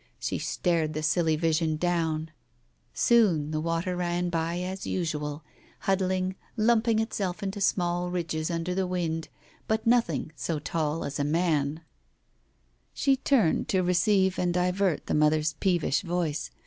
She stared the silly vision down. Soon the water ran Digitized by Google THE BLUE BONNET 167 by as usual, huddling, lumping itself into small ridges under the wind, but nothing so tall as a man. She turned to receive and divert the mother's peevish voice.